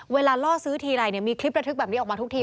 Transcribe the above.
เวลาล่อซื้อทีใปร์มีคลิปแบบนี้ออกมาทุกที